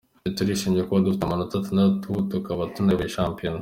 Ati “Turishimye kuba dufite amanota atandatu tukaba tunayoboye shampiyona.